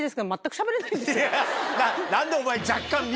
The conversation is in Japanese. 何でお前。